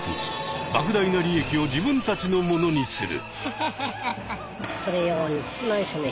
莫大な利益を自分たちのものにする。